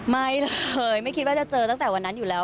ไม่เลยไม่คิดว่าจะเจอตั้งแต่วันนั้นอยู่แล้ว